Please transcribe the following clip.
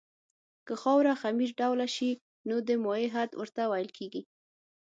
که خاوره خمیر ډوله شي نو د مایع حد ورته ویل کیږي